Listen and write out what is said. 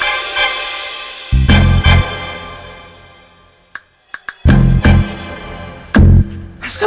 ya allah bang tiga laba